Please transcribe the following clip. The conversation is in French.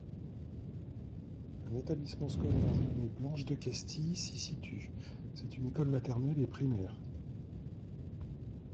Un établissement scolaire nommé Blanche-de-Castille s'y situe, c'est une école maternelle et primaire.